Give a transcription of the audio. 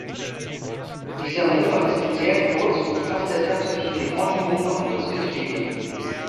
Dieser Motor ist sehr kurz und passt deshalb zwischen den Ottomotor und das Getriebe.